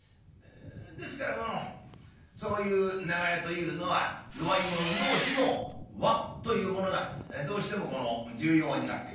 ですからこのそういう長屋というのは弱い者同士の輪というものがどうしても重要になってくる。